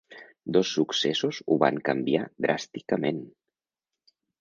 Dos successos ho van canviar dràsticament.